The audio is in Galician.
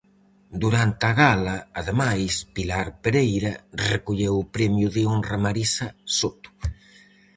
Durante a gala, ademais, Pilar Pereira recolleu o premio de honra Marisa Soto.